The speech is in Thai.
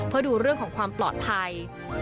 เพื่อดูเรื่องของความปลอดภัย